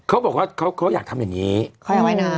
เขาบอกว่าเขาอยากทำอย่างนี้เขาอยากว่ายน้ำ